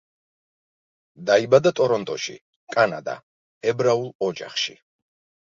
დაიბადა ტორონტოში, კანადა, ებრაულ ოჯახში.